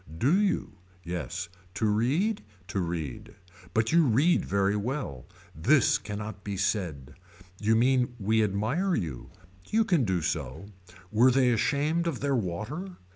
Do you. Yes. To read. To read. But you read very well. This cannot be said. You mean we admire you. You can do so. Were they ashamed of their water.